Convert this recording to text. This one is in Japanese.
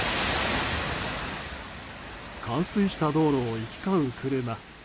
冠水した道路を行き交う車。